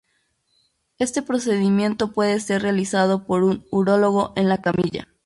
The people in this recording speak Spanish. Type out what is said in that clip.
Este procedimiento puede ser realizado por un urólogo en la camilla.